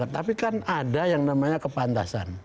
tapi kan ada yang namanya kepantasan